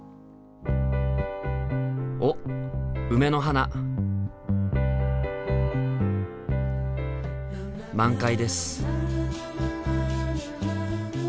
おっ梅の花！満開です。